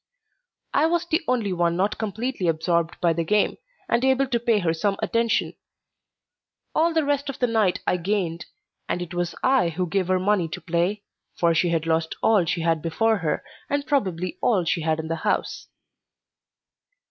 I was the only one not completely absorbed by the game, and able to pay her some attention. All the rest of the night I gained, and it was I who gave her money to play, for she had lost all she had before her and probably all she had in the house.